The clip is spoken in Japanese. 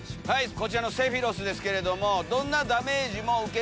こちらのセフィロスですけれども。